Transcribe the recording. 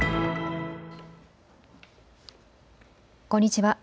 こんにちは。